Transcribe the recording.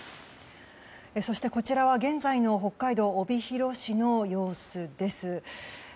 こちらは現在の北海道帯広市の様子です。